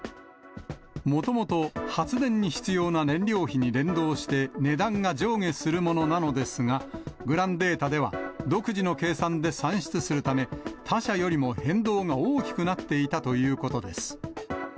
もともと発電に必要な燃料費に連動して、値段が上下するものなのですが、グランデータでは独自の計算で算出するため、他社よりも変動が大きくなっていたということです。